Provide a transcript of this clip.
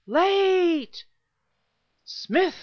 late..." "Smith!"